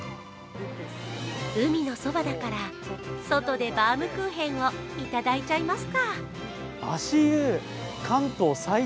海のそばだから外でバウムクーヘンをいただいちゃいますか。